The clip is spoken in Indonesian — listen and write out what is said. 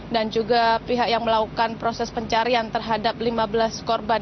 dan juga pihak yang melakukan proses pencarian terhadap lima belas korban